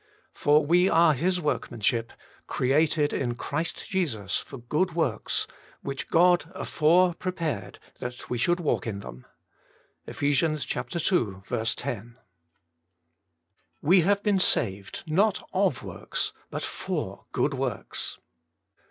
For we are His workmanship, created in Christ Jesus f or good works, which God afore prepared that we snouI3~~vr'alk in them.' — Eph. ii. lo. WE have been saved, not of works, but for good works.